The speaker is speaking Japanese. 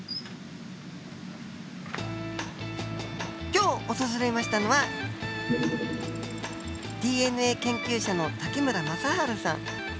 今日訪れましたのはＤＮＡ研究者の武村政春さん。